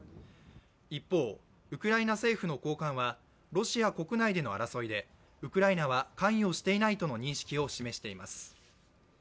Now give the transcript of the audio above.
一方、ウクライナ政府の高官はロシア国内での争いで、ウクライナは関与していないとの認識を示しています。